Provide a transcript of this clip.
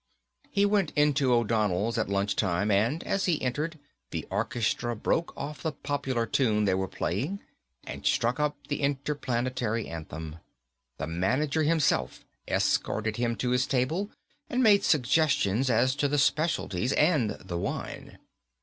He went into O'Donnell's at lunch time and as he entered the orchestra broke off the popular tune they were playing and struck up the Interplanetary Anthem. The manager himself escorted him to his table and made suggestions as to the specialties and the wine.